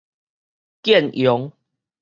建陽